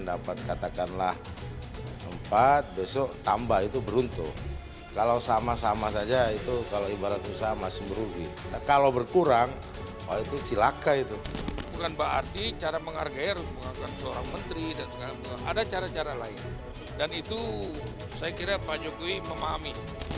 dan itu saya kira pak jokowi memahami